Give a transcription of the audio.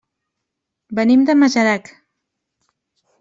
Venim de Masarac.